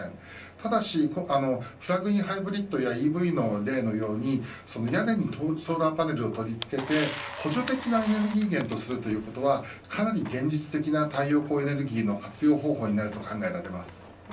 ただしプラグインハイブリッドやＥＶの屋根にソーラーパネルをつけて補助的なエネルギー源とすることはかなり現実的な太陽光エネルギーの活用方法になると考えられます。